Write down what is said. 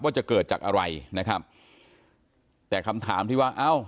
ว่าจะเกิดจากอะไรนะครับแต่คำถามที่ว่าเอ้า